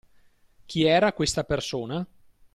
Chi era questa persona?